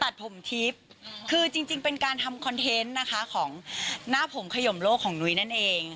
ดูอย่างนั้นเอง